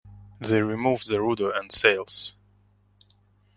They removed the rudder and sails.